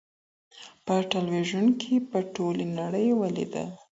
په ټلویزیون کي په ټولي نړۍ ولیدله